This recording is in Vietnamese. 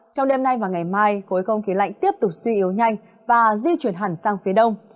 trong đêm nay và ngày mai khối không khí lạnh tiếp tục suy yếu nhanh và di chuyển hẳn sang phía đông